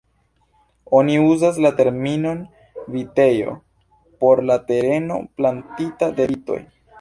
Oni uzas la terminon vitejo por la tereno plantita de vitoj.